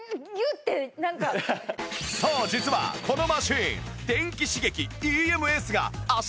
そう実はこのマシン